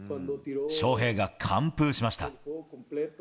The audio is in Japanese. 翔平が完封しました。